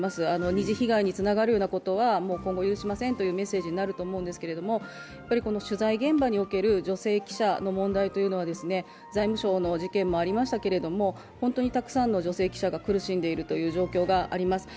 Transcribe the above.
二次被害につながるようなことは今後許しませんというメッセージになると思うんですけれども、取材現場における女性記者の問題というのは、財務省の事件もありましたけれども、本当にたくさんの女性記者が苦しんでいるという状況があります。